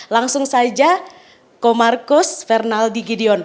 langsung saja ko markus fernaldi gideon